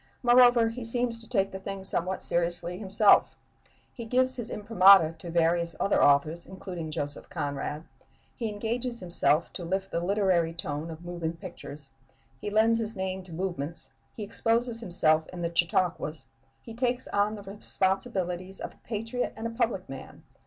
Moreover, he seems to take the thing somewhat seriously himself. He gives his imprimatur to various other authors, including Joseph Conrad; he engages himself to lift the literary tone of moving pictures; he lends his name to movements; he exposes himself in the chautauquas; he takes on the responsibilities of a patriot and a public man....